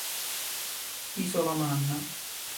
Isola Manna